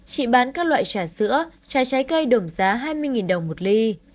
chị bán các loại trà sữa trà trái cây đồng giá hai mươi đồng một ly